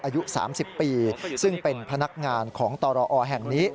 อายุ๓๐ปีซึ่งเป็นพนักงานของตรอแห่งนี้